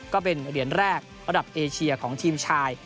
ก็เป็นเหรียญแรกระดับเอเชียของทีมชาย